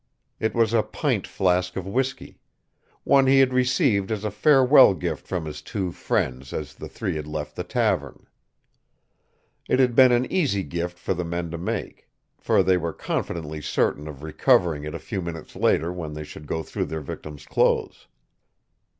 It was a pint flask of whisky one he had received as a farewell gift from his two friends as the three had left the tavern. It had been an easy gift for the men to make. For they were confidently certain of recovering it a few minutes later when they should go through their victim's clothes.